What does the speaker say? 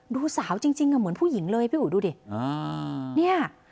ดูสาวจริงเหมือนผู้หญิงเลยพี่อุ๋ดูดิ